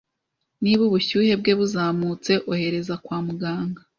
Niba ubushyuhe bwe buzamutse, ohereza kwa muganga.